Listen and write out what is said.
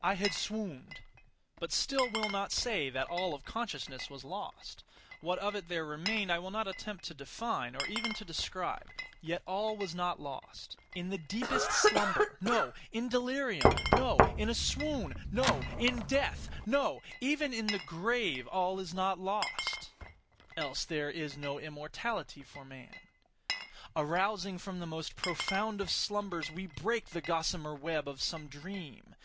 I had swooned; but still will not say that all of consciousness was lost. What of it there remained I will not attempt to define, or even to describe; yet all was not lost. In the deepest slumber—no! In delirium—no! In a swoon—no! In death—no! even in the grave all is not lost. Else there is no immortality for man. Arousing from the most profound of slumbers, we break the gossamer web of some dream.